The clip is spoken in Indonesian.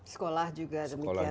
sekolah juga demikian akses